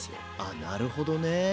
あなるほどね。